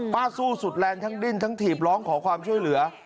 สู้สุดแรงทั้งดิ้นทั้งถีบร้องขอความช่วยเหลือ